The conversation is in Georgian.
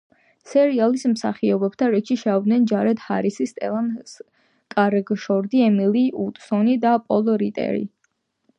სერიალის მსახიობთა რიგში შევიდნენ: ჯარედ ჰარისი, სტელან სკარშგორდი, ემილი უოტსონი და პოლ რიტერი.